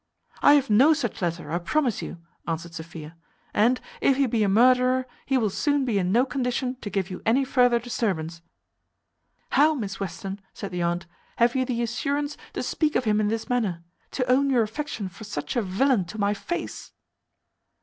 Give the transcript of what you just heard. "I have no such letter, I promise you," answered Sophia; "and, if he be a murderer, he will soon be in no condition to give you any further disturbance." "How, Miss Western!" said the aunt, "have you the assurance to speak of him in this manner; to own your affection for such a villain to my face?"